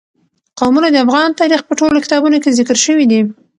قومونه د افغان تاریخ په ټولو کتابونو کې ذکر شوي دي.